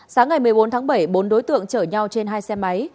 sáng ngày một mươi bốn tháng bảy bốn đối tượng chở nhau trên hai xe máy